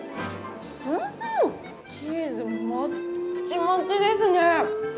うん、チーズもっちもちですね。